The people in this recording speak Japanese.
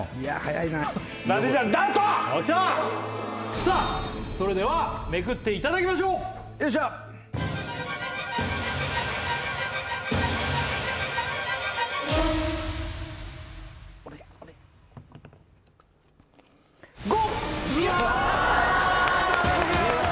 さあそれではめくっていただきましょうよっしゃ５！